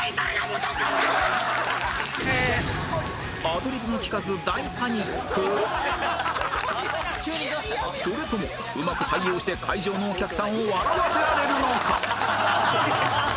アドリブが利かずそれともうまく対応して会場のお客さんを笑わせられるのか？